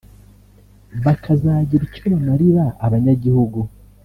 bakazagira icyo bamarira abanyagihugu